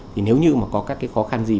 thì nếu như mà có các cái khó khăn gì